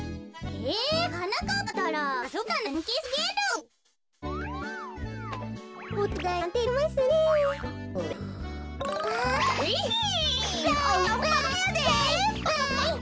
えはなかっぱ